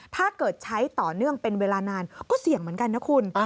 ถ้าเกิดใช้ต่อเนื่องเป็นเวลานานก็เสี่ยงเหมือนกันนะคุณ